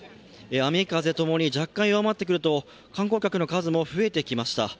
雨・風ともに若干弱まってきますと観光客の数も増えてきました。